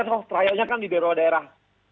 australia kan di daerah daerah